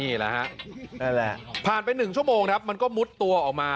นี่แหละฮะพาลไป๑ชั่วโมงมันก็มุดตัวออกมา